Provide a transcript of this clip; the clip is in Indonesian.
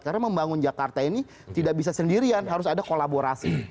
karena membangun jakarta ini tidak bisa sendirian harus ada kolaborasi